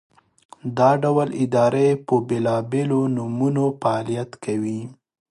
دا ډول ادارې په بېلابېلو نومونو فعالیت کوي.